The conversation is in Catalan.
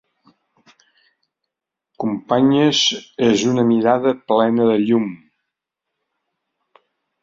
Companyes és una mirada plena de llum.